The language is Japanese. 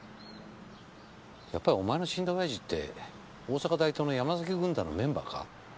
やっぱりお前の死んだ親父って大阪大東の山崎軍団のメンバーか？